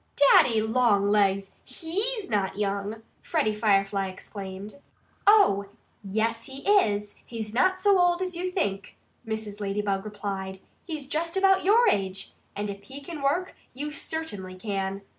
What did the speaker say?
"Daddy Longlegs! HE'S not young!" Freddie Firefly exclaimed. "Oh! yes, he is! He's not so old as you think," Mrs. Ladybug replied. "He's just about your age. And if he can work, you certainly can."